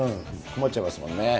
困っちゃいますもんね。